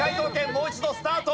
もう一度スタート！